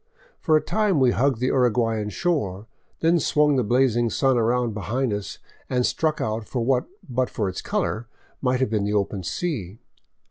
For a time we hugged the Urguayan shore, then swung the blazing sun around behind us and struck out for what, but for its color, might have been the open sea.